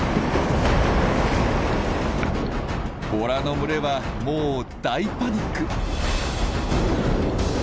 ボラの群れはもう大パニック。